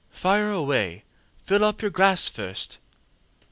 Fire away! Fill up your glass first.